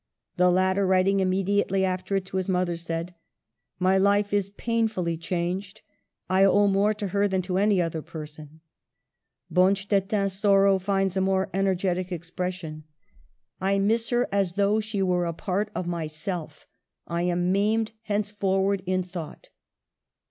The latter, writing immediately after it to his mother, said :" My life is painfully changed. I owe more to her than to any other person. ,, Bonstetten's sorrow finds a more energetic expression :" I miss her Digitized by VjOOQLC CLOSING SCENES. 205 as though she were a part of myself. I am maimed henceforward in thought."